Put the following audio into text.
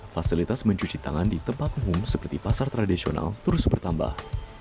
fasilitas mencuci tangan di tempat umum seperti pasar tradisional terus bertambah